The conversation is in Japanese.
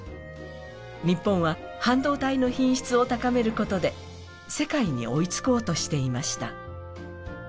日本は半導体の品質を高めることで世界に追いつこうとしていました。